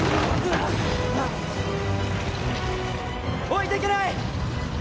置いてけない！